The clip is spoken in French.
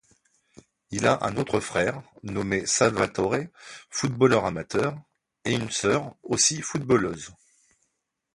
Il a un autre frère, nommé Salvatore, footballeur amateur, et une sœur, aussi footballeuse.